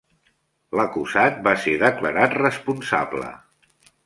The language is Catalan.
L'acusat va ser declarat responsable.